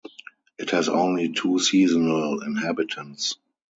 It has only two seasonal inhabitants.